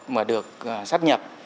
mà được sắp nhập